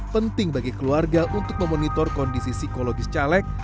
penting bagi keluarga untuk memonitor kondisi psikologis caleg